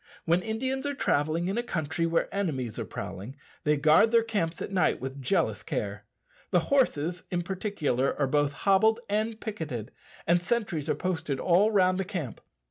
When Indians are travelling in a country where enemies are prowling, they guard their camps at night with jealous care. The horses in particular are both hobbled and picketed, and sentries are posted all round the camp.